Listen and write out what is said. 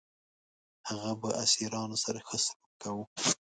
هغه به اسیرانو سره ښه سلوک کاوه.